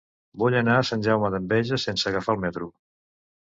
Vull anar a Sant Jaume d'Enveja sense agafar el metro.